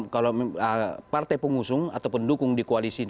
kalau partai pengusung atau pendukung di koalisi ini